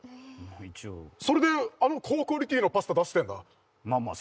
一応それであの高クオリティーのパスタ出してんだまあまあ